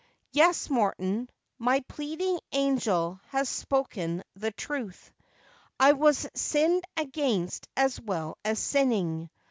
' Yes, Morton, my pleading angel has spoken the truth. I was sinned against as well as sinning.